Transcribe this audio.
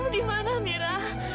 kamu dimana mira